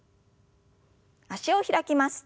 脚を開きます。